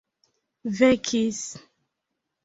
vekis